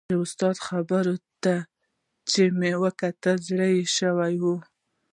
د استاد خبرو ته چې مې وکتل زړه یې شوی و.